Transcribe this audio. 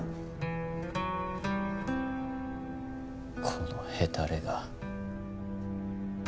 このヘタレが。